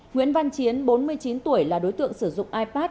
nguyễn văn chiến bốn mươi chín tuổi là đối tượng sử dụng ipad